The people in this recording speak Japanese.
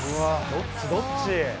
どっちどっち？